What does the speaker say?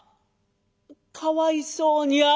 「かわいそうに。